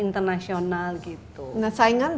internasional gitu nah saingan